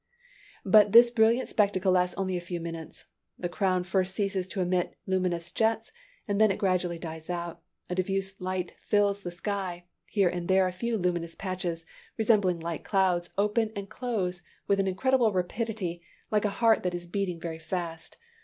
But this brilliant spectacle lasts only a few minutes; the crown first ceases to emit luminous jets, and then gradually dies out; a diffuse light fills the sky; here and there a few luminous patches, resembling light clouds, open and close with an incredible rapidity, like a heart that is beating very fast.